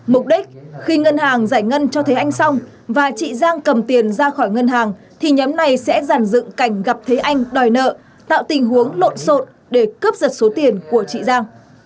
mục đích khi ngân hàng giải ngân cho thấy anh xong và chị giang cầm tiền ra khỏi ngân hàng thì nhóm này sẽ giàn dựng cảnh gặp thế anh đòi nợ tạo tình huống lộn xộn để cướp giật số tiền của chị giang